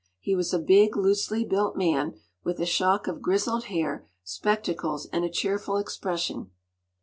He was a big, loosely built man, with a shock of grizzled hair, spectacles, and a cheerful expression.